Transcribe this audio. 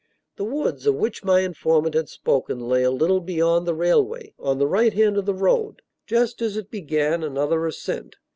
The woods of which my informant had spoken lay a little beyond the railway, on the right hand of the road, just as it began another ascent.